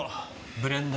ブレンド！